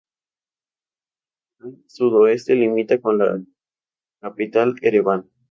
Al sudoeste limita con la capital Ereván.